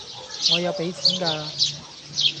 我有俾錢嫁